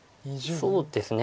そうですね。